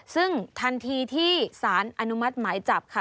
ซึ่งทันทีที่สารอนุมัติหมายจับค่ะ